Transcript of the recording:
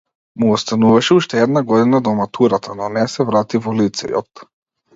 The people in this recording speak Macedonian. Му остануваше уште една година до матурата, но не се врати во лицејот.